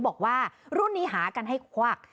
บอกว่ารุ่นนี้หากันให้ควัก